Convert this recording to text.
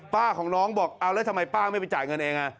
ป้าของน้องบอกเอาแล้วทำไมป้าไม่ไปจ่ายเงินเอง